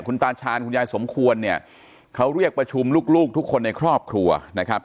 คุณตาชาญคุณยายสมควรเนี่ยเขาเรียกประชุมลูกทุกคนในครอบครัวนะครับ